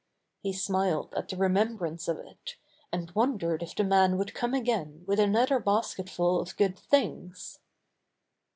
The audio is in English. He smiled at the remembrance of it, and wondered if the man would come again with another basketful of good things.